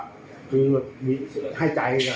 แล้วคือพอมารู้ทีว่าใครให้จบให้ตัวเนี่ย